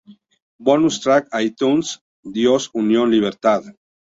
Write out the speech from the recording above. Bonus track iTunes: "Dios, Union, Libertad"